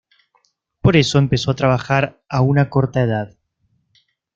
Por eso, empezó a trabajar a una corta edad.